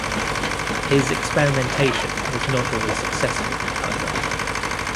His experimentation was not always successful however.